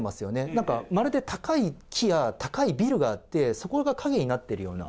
なんか、まるで高い木や高いビルがあって、そこが影になっているような。